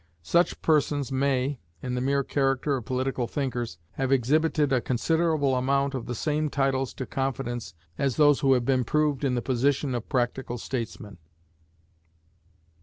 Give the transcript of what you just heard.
Such persons may, in the mere character of political thinkers, have exhibited a considerable amount of the same titles to confidence as those who have been proved in the position of practical statesmen.